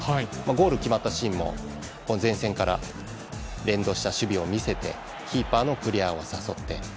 ゴールが決まったシーンも前線から連動した守備を見せてキーパーのクリアを誘って。